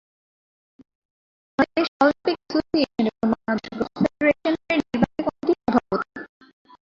তিনি Bangladesh Olympic Association এবং Bangladesh golf ফেডারেশনের নির্বাহী কমিটির সভাপতি।